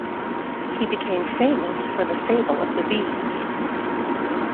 He became famous for "The Fable of the Bees".